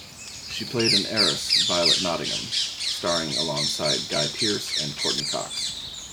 She played an heiress, Violet Nottingham, starring alongside Guy Pearce and Courteney Cox.